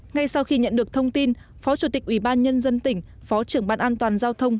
ngay sau khi nhận được thông tin phó chủ tịch ủy ban nhân dân tỉnh phó trưởng ban an toàn giao thông